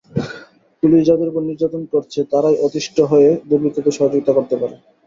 Police যাদের ওপর নির্যাতন করছে, তারাই অতিষ্ঠ হয়ে দুর্বৃত্তদের সহযোগিতা করতে পারে।